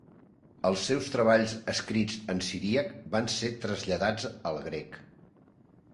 Els seus treballs escrits en siríac, van ser traslladats al grec.